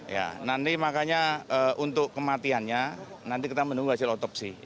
ya nanti makanya untuk kematiannya nanti kita menunggu hasil otopsi